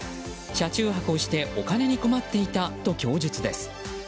車中泊をしてお金に困っていたと供述です。